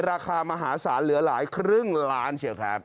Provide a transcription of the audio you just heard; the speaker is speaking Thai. ราคามหาศาลเหลือหลายครึ่งล้านเชียวครับ